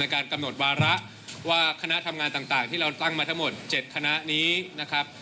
การกำหนดวาระว่าคณะทำงานต่างที่เราตั้งมาทั้งหมด๗คณะนี้นะครับ